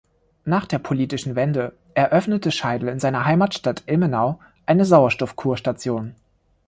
Nach der politischen Wende eröffnete Scheidel in seiner Heimatstadt Ilmenau eine Sauerstoffkur-Station.